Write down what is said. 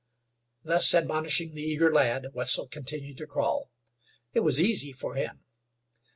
Thus admonishing the eager lad, Wetzel continued to crawl. It was easy for him.